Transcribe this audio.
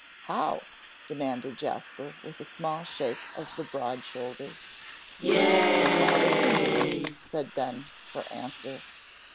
"How?" demanded Jasper, with a small shake of the broad shoulders. "Your father can do it," said Ben, for answer.